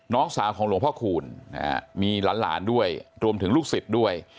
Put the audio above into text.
น้องสาวของหลวงพ่อคูณมีหลานด้วยรวมถึงลูกศิษย์ด้วย